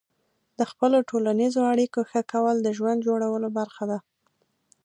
د خپلو ټولنیزو اړیکو ښه کول د ژوند جوړولو برخه ده.